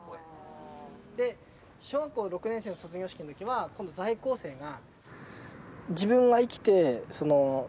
小学校６年生の卒業式の時は今度在校生が。